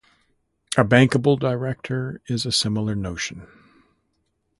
A bankable director is a similar notion.